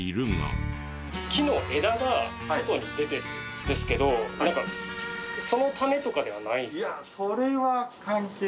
木の枝が外に出てるんですけどそのためとかではないですか？